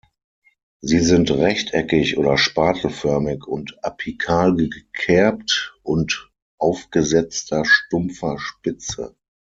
Sie sind rechteckig oder spatelförmig und apikal gekerbt und aufgesetzter stumpfer Spitze.